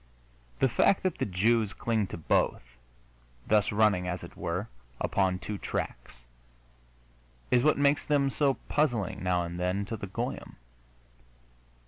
The fact that the Jews cling to both, thus running, as it were, upon two tracks, is what makes them so puzzling, now and then, to the goyim.